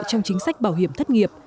trong chính sách bảo hiểm thất nghiệp